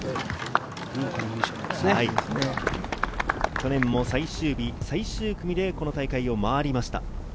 去年も最終日、最終組で、この大会をまわりました。